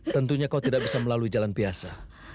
tentunya kau tidak bisa melalui jalan biasa